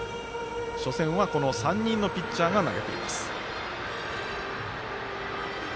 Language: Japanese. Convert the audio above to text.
初戦は３人のピッチャーが投げています。